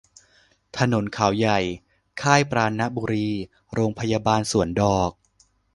ถนนเขาใหญ่ ค่ายปราณบุรี โรงพยาบาลสวนดอก